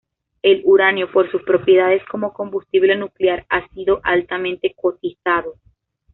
El uranio por sus propiedades como combustible nuclear ha sido altamente cotizado.